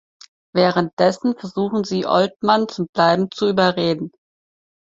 Währenddessen versuchen sie Oldman zum Bleiben zu überreden.